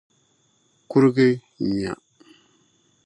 kurigi nyuya.